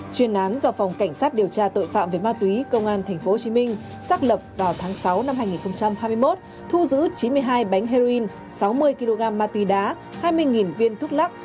chuyên án do phòng cảnh sát điều tra tội phạm về ma túy công an tp hcm xác lập vào tháng sáu năm hai nghìn hai mươi một thu giữ chín mươi hai bánh heroin sáu mươi kg ma túy đá